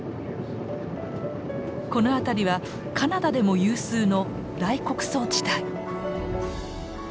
この辺りはカナダでも有数の大穀倉地帯。